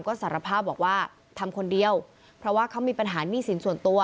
ก็สารภาพบอกว่าทำคนเดียวเพราะว่าเขามีปัญหาหนี้สินส่วนตัว